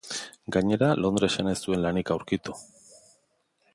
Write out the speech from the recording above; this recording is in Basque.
Gainera Londresen ez zuen lanik aurkitu.